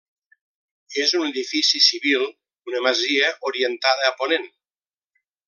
És un edifici Civil, una masia orientada a ponent.